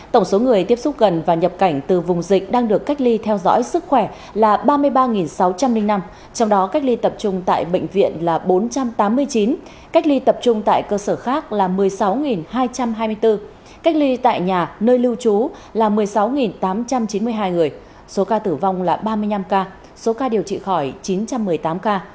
tổng số người tiếp xúc gần và nhập cảnh từ vùng dịch đang được cách ly theo dõi sức khỏe là ba mươi ba sáu trăm linh năm trong đó cách ly tập trung tại bệnh viện là bốn trăm tám mươi chín cách ly tập trung tại cơ sở khác là một mươi sáu hai trăm hai mươi bốn cách ly tại nhà nơi lưu trú là một mươi sáu tám trăm chín mươi hai người số ca tử vong là ba mươi năm ca số ca điều trị khỏi chín trăm một mươi tám ca